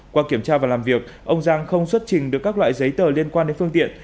qua kiểm tra và làm việc ông giang không xuất trình được các loại giấy tờ liên quan đến phương tiện